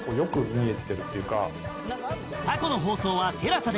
過去の放送は ＴＥＬＡＳＡ で